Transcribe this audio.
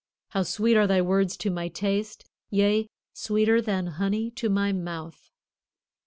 How sweet are thy words to my taste, yea, sweeter than honey to my mouth!"